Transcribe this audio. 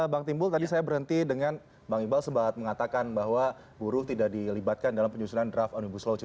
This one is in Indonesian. kita ke bang timbul tadi saya berhenti dengan bang ibal sebahagat mengatakan bahwa buruk tidak dilibatkan dalam penyusuran draft ruu omnibus law ini sendiri